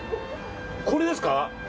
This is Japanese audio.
これですか？